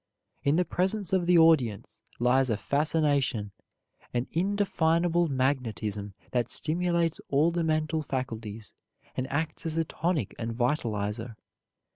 In the presence of the audience lies a fascination, an indefinable magnetism that stimulates all the mental faculties, and acts as a tonic and vitalizer.